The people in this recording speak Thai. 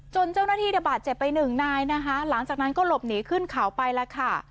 เจ้าหน้าที่เนี่ยบาดเจ็บไปหนึ่งนายนะคะหลังจากนั้นก็หลบหนีขึ้นเขาไปแล้วค่ะ